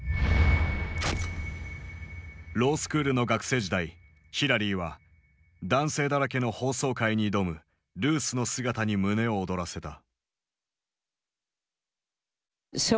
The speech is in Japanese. ロースクールの学生時代ヒラリーは男性だらけの法曹界に挑むルースの姿に胸を躍らせた。